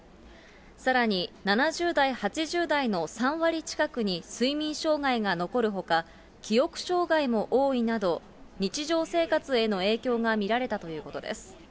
さらに７０代、８０代の３割近くに睡眠障害が残るほか、記憶障害も多いなど、日常生活への影響が見られたということです。